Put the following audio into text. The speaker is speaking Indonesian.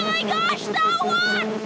mimpi apa sih aku semalam